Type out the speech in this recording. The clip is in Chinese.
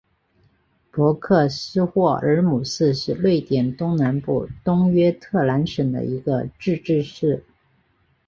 博克斯霍尔姆市是瑞典东南部东约特兰省的一个自治市。